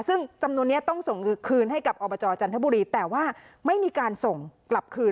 ซึ่งจำนวนนี้ต้องส่งคืนให้กับอบจจันทบุรีแต่ว่าไม่มีการส่งกลับคืน